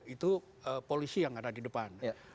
itu polisi yang ada di depan